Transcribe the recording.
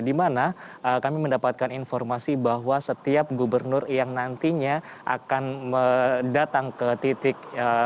di mana kami mendapatkan informasi bahwa setiap gubernur yang nantinya akan datang ke titik